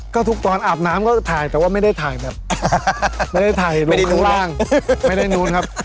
ก็ทุกตอนอาบน้ำก็ถ่ายแต่ว่าไม่ได้ถ่ายแบบไม่ได้ถ่ายไว้ข้างล่างไม่ได้นู้นครับ